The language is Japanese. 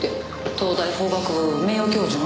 東大法学部名誉教授の。